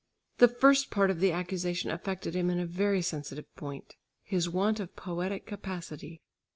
The first part of the accusation affected him in a very sensitive point, his want of poetic capacity.